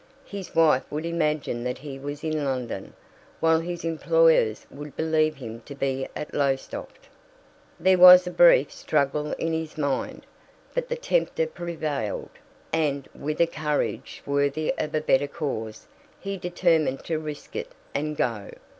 His wife would imagine that he was in London, while his employers would believe him to be at Lowestoft. There was a brief struggle in his mind, but the tempter prevailed, and, with a courage worthy of a better cause, he determined to risk it and go.